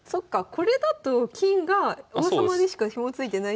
これだと金が王様にしかヒモついてないけど。